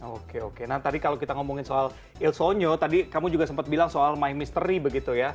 oke oke nah tadi kalau kita ngomongin soal il sonyo tadi kamu juga sempat bilang soal my misteri begitu ya